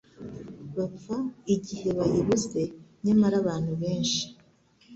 bapfa igihe bayibuze. Nyamara abantu benshi